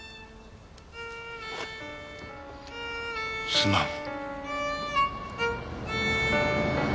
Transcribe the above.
すまん。